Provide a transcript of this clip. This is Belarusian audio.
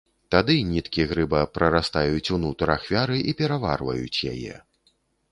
Тады ніткі грыба прарастаюць ўнутр ахвяры і пераварваюць яе.